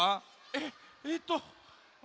えっえっとあ。